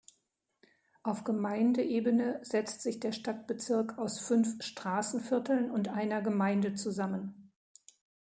Auf Gemeindeebene setzt sich der Stadtbezirk aus fünf Straßenvierteln und einer Gemeinde zusammen.